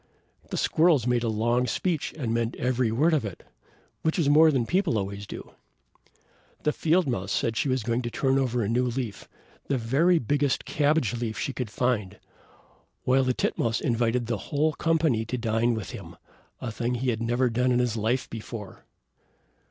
The squirrels made a long speech, and meant every word of it, which is more than people always do; the field mouse said that she was going to turn over a new leaf, the very biggest cabbage leaf she could find; while the titmouse invited the whole company to dine with him, a thing he had never done in his life before.